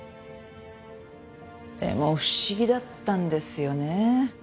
でも不思議だったんですよね。